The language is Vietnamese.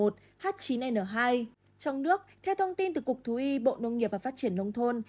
trong nước theo thông tin từ cục thú y bộ nông nghiệp và phát triển nông thôn